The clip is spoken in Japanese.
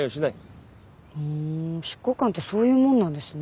ふーん執行官ってそういうもんなんですね。